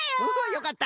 よかった。